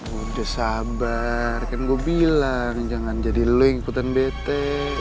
udah sabar kan gue bilang jangan jadi lo ikutan bete